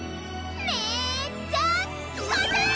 めっちゃコズい！